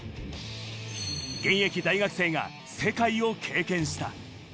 現役大学生が世界を経験した。